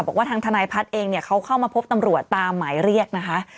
บอกว่าทางทนายพัฒน์เองเนี่ยเขาเข้ามาพบตำรวจตามหมายเรียกนะคะ